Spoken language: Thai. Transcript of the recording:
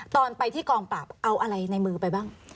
ตอนไปที่กองปราบเอาอะไรในมือไปบ้าง